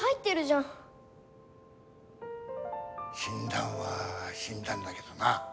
死んだは死んだんだけどな。